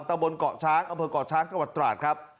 ตะบนเกาะช้างอเจ้าหวัดตราดครับ